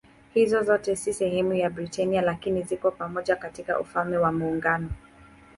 Hizi zote si sehemu ya Britania lakini ziko pamoja katika Ufalme wa Muungano.